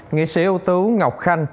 nghị sĩ ưu tứ ngọc khanh